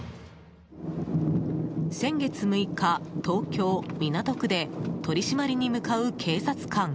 先月６日、東京・港区で取り締まりに向かう警察官。